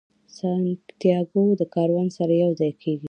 سانتیاګو د کاروان سره یو ځای کیږي.